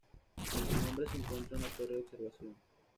En su cumbre se encuentra una torre de observación.